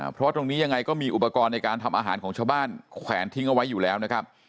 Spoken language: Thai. เพราะตรงนี้ยังไงก็มีอุปกรณ์ในการทำอาหารของชาวบ้านแขวนทิ้งเอาไว้อยู่แล้วนะครับ